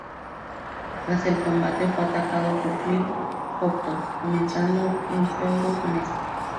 Tras el combate, fue atacado por Cliff Compton, comenzando un feudo con este.